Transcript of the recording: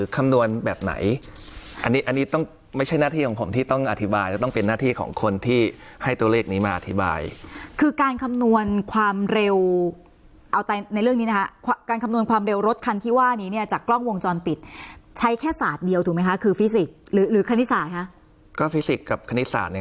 คำนวณแบบไหนอันนี้อันนี้ต้องไม่ใช่หน้าที่ของผมที่ต้องอธิบายจะต้องเป็นหน้าที่ของคนที่ให้ตัวเลขนี้มาอธิบายคือการคำนวณความเร็วเอาในเรื่องนี้นะคะการคำนวณความเร็วรถคันที่ว่านี้เนี่ยจากกล้องวงจรปิดใช้แค่ศาสตร์เดียวถูกไหมคะคือฟิสิกส์หรือคณิตศาสตร์คะก็ฟิสิกส์กับคณิตศาสต